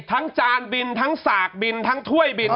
จานบินทั้งสากบินทั้งถ้วยบิน